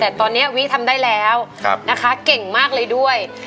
แต่ตอนนี้วิทำได้แล้วนะคะเก่งมากเลยด้วย